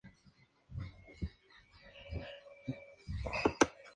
Un hombre ordinario compra regalos de Navidad para su familia.